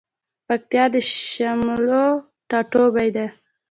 پکتيا د شملو ټاټوبی ده